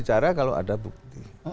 cara kalau ada bukti